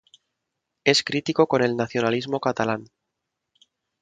Es crítico con el nacionalismo catalán.